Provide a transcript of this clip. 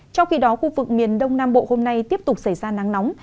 trong khi đó khu vực miền đông nam bộ hôm nay tiếp tục xảy ra nắng nóng